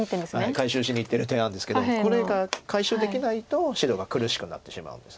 回収しにいってる手なんですけどこれが回収できないと白が苦しくなってしまうんです。